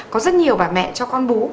có rất nhiều bà mẹ cho con bú